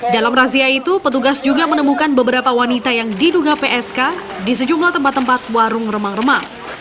dalam razia itu petugas juga menemukan beberapa wanita yang diduga psk di sejumlah tempat tempat warung remang remang